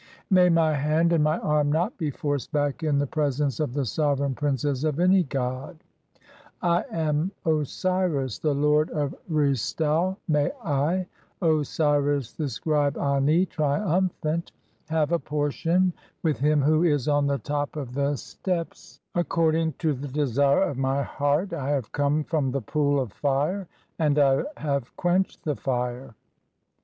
"May my hand and my arm not be forced back in the presence "of the sovereign princes of any god. I am Osiris, the lord "of Re stau, (6) ; may I, Osiris the scribe Ani, triumphant, "have a portion with him who is (7) on the top of the steps 70 THE CHAPTERS OF COMING FORTH BY DAY. "(z. e., Osiris). According to the desire of my heart, I have come "from the Pool of Fire, and I have quenched the fire."